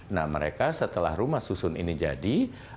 nah mereka setelah rumah susun ini jadi